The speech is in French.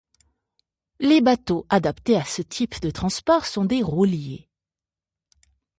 Les bateaux adaptés à ce type de transport sont des rouliers.